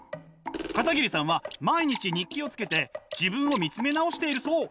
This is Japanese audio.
片桐さんは毎日日記をつけて自分を見つめ直しているそう！